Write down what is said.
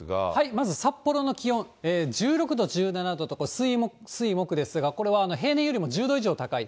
まず札幌の気温、１６度、１７度と、水、木ですが、これは平年よりも１０度以上高い。